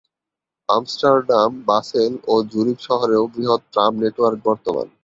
Amsterdam, Basel ও Zurich শহরেও বৃহৎ ট্রাম নেটওয়ার্ক বর্তমান।